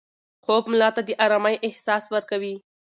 خوب ملا ته د ارامۍ احساس ورکوي.